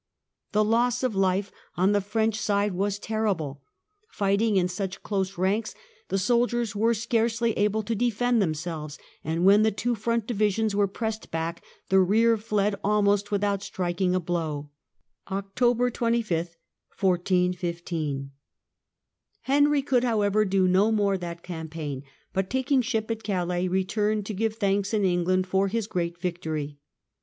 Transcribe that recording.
The loss of life on the French side was terrible : fighting in such close ranks the sol diers were scarcely able to defend themselves, and when the two front divisions were pressed back, the rear fled almost without striking a blow. Henry could, however, do no more that campaign, but taking ship at Calais returned to give thanks in England for his great victory.